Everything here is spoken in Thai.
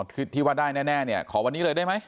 คือที่ว่าได้แน่เนี่ยขอวันนี้เลยได้ไหม